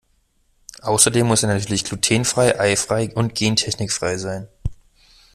Außerdem muss er natürlich glutenfrei, eifrei und gentechnikfrei sein.